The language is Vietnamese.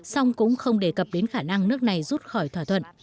song cũng không đề cập đến khả năng nước này rút khỏi thỏa thuận